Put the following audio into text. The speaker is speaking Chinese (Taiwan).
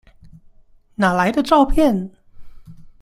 哪來的照片？